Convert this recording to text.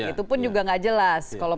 itu pun juga nggak jelas kalau